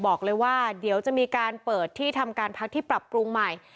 บอกเลยว่าเดี๋ยวจะมีการเปิดที่ทำการพักที่ปรับปรุงใหม่